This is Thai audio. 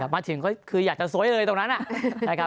มาถึงคืออยากจะสวยเลยตรงนั้นน่ะ